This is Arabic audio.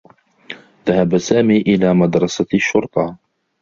ذهب سامي إلى مدرسة الشّرطة.